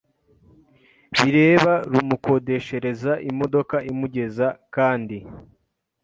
bireba rumukodeshereza imodoka imugeza kandi